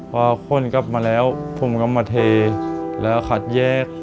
พอคนกลับมาแล้วผมก็มาเทแล้วคัดแยก